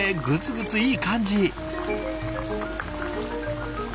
グツグツいい感じ！